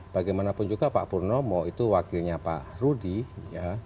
bagaimanapun juga pak purnomo itu wakilnya pak rudy ya